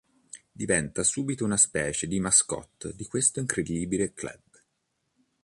Diventa subito una specie di "mascotte" di questo incredibile club.